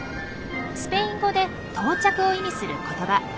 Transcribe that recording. スペイン語で「到着」を意味する言葉。